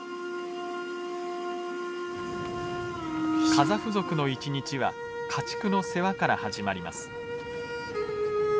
カザフ族の一日は家畜の世話から始まります。